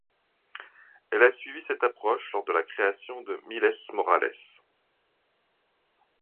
Elle a suivi cette approche lors de la création de Miles Morales.